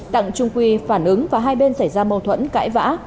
đặng trung quy phản ứng và hai bên xảy ra mâu thuẫn cãi vã